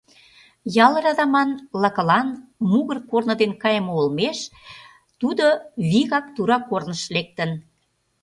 Ял радаман, лакылан, мугыр корно дене кайыме олмеш тудо вигак тура корныш лектын.